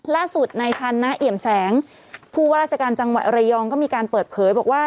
ล่าสุดในฐานะเอี่ยมแสงผู้ว่าราชการจังหวัดระยองก็มีการเปิดเผยบอกว่า